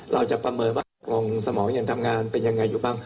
เราจะประเมินว่าตกลงสมองยังทำงานเป็นยังไงอยู่บ้าง